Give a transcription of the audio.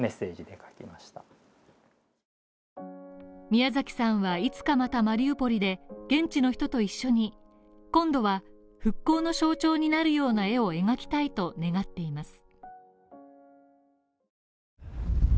ミヤザキさんは、いつかまたマリウポリで現地の人と一緒に今度は復興の象徴になるような絵を描きたいと願っています。